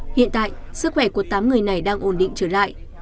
hiện tại sức khỏe của tám người này đang ổn định trở lại